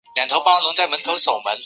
真核基因组通常大于原核生物。